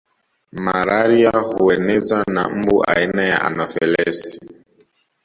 Malaria huenezwa na mbu aina ya Anofelesi